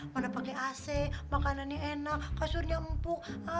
mana pakai ac makanannya enak kasurnya empuk